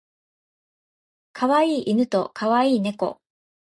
可愛い犬と可愛い猫